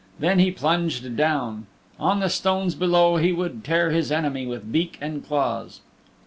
Then he plunged down. On the stones below he would tear his enemy with beak and claws.